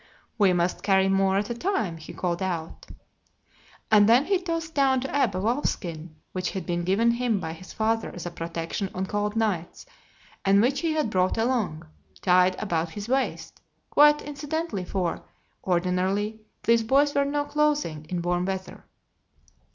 "We must carry more at a time," he called out. And then he tossed down to Ab a wolfskin which had been given him by his father as a protection on cold nights and which he had brought along, tied about his waist, quite incidentally, for, ordinarily, these boys wore no clothing in warm weather.